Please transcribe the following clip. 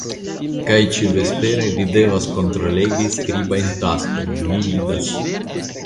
Kaj ĉi-vespere vi devas kontrollegi skribajn taskojn, mi vidas.